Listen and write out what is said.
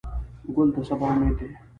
ګل د سبا امید دی.